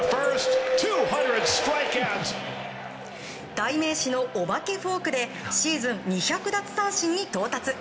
代名詞のお化けフォークでシーズン２００奪三振に到達。